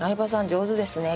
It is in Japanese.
上手ですね